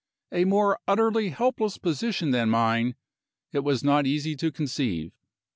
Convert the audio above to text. A more utterly helpless position than mine it was not easy to conceive.